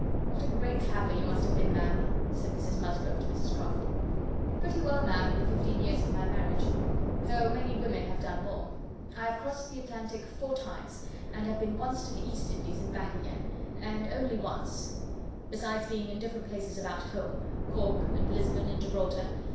"What a great traveller you must have been, ma'am!" said Mrs Musgrove to Mrs Croft. "Pretty well, ma'am in the fifteen years of my marriage; though many women have done more. I have crossed the Atlantic four times, and have been once to the East Indies, and back again, and only once; besides being in different places about home: Cork, and Lisbon, and Gibraltar.